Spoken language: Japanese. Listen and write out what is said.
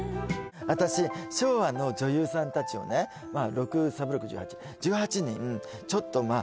私昭和の女優さん達をね６サブロク１８１８人ちょっとまあ